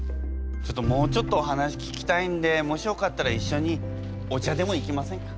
ちょっともうちょっとお話聞きたいんでもしよかったら一緒にお茶でも行きませんか？